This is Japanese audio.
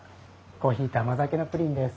コーヒーと甘酒のプリンです。